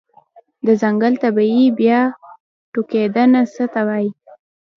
د ځنګل طبيعي بیا ټوکیدنه څه ته وایې؟